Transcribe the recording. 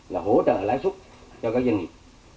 là hỗ trợ lãi xuất cho các doanh nghiệp